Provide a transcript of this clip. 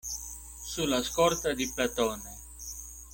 Su la scorta di Platone.